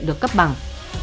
được cấp bằng